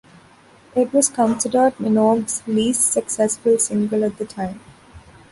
It was considered Minogue's least successful single at the time.